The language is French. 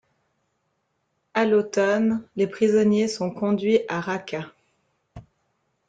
À l'automne, les prisonniers sont conduits à Raqqa.